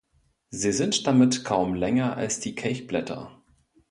Sie sind damit kaum länger als die Kelchblätter.